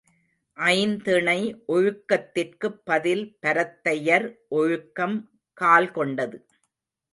ஐந்திணை ஒழுக்கத்திற்குப் பதில் பரத்தையர் ஒழுக்கம் கால்கொண்டது.